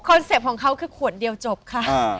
เซ็ปต์ของเขาคือขวดเดียวจบค่ะ